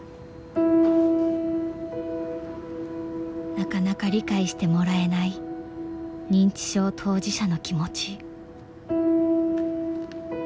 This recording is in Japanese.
なかなか理解してもらえない認知症当事者の気持ち。